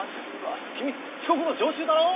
キミ遅刻の常習だろ！